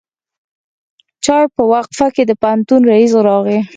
د چای په وقفه کې د پوهنتون رئیس راغی.